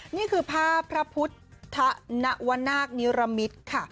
นี่คือภาพพระพุทธนวนาคนิรมิตค่ะ